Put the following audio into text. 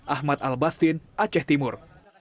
ahmad al bastin aceh timur